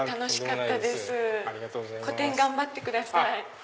個展頑張ってください。